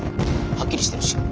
はっきりしてるし。